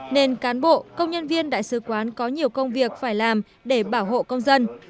nên cán bộ công nhân viên đại sứ quán có nhiều công việc phải làm để bảo hộ công dân